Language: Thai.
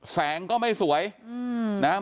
แสงก็ไม่สวยนะฮะ